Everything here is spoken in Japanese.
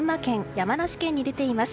山梨県に出ています。